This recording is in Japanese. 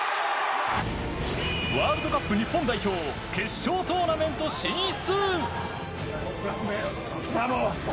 ワールドカップ日本代表決勝トーナメント進出！